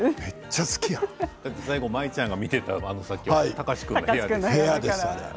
最後、舞ちゃんが見ていたのは貴司君の部屋